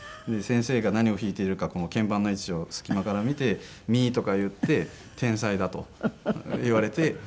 先生が何を弾いているか鍵盤の位置を隙間から見て「ミ」とか言って天才だと言われて。